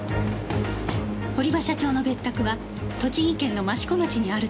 堀場社長の別宅は栃木県の益子町にあるという